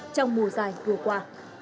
trong mùa giải vừa qua